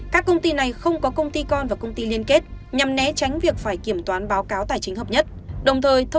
các công ty này không có công ty con và công ty liên kết nhằm né tránh việc phải kiểm toán báo cáo tài chính hợp nhất